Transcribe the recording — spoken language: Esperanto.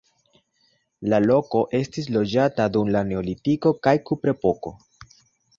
La loko estis loĝata dum la neolitiko kaj kuprepoko.